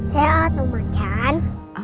sehat om macan